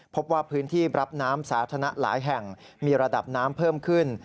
พบว่าพื้นที่รับน้ำสาธารณะหลายแห่งมีระดับน้ำเพิ่มขึ้น